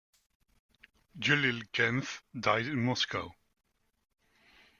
Yuliy Ganf died in Moscow.